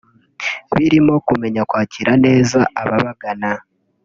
birimo kumenya kwakira neza ababagana